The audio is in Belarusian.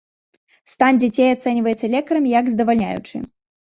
Стан дзяцей ацэньваецца лекарамі як здавальняючы.